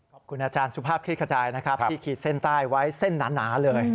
ขอบคุณอาจารย์สุภาพคลิกขจายนะครับที่ขีดเส้นใต้ไว้เส้นหนาเลย